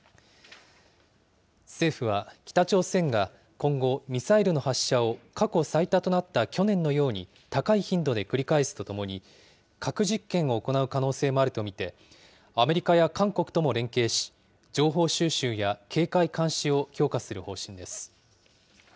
政府は北朝鮮が今後、ミサイルの発射を過去最多となった去年のように、高い頻度で繰り返すとともに、核実験を行う可能性もあると見て、アメリカや韓国とも連携し、情報収集や警戒監視を強化する方針です。